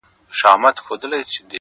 • داسي شرط زموږ په نصیب دی رسېدلی,